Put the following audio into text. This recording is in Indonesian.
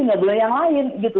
nggak boleh yang lain gitu